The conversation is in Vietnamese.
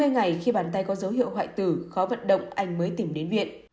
hai mươi ngày khi bàn tay có dấu hiệu hoại tử khó vận động anh mới tìm đến viện